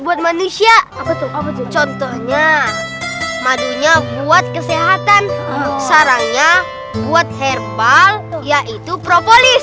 buat manusia apa contohnya madunya buat kesehatan sarangnya buat herbal yaitu propolis